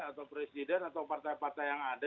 atau presiden atau partai partai yang ada